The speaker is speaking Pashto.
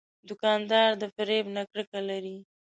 دوکاندار د فریب نه کرکه لري.